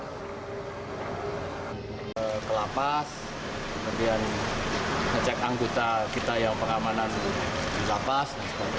kelapas kemudian ngecek anggota kita yang peramanan di lapas